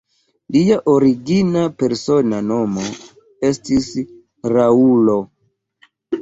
Lia origina persona nomo estis "Raoul".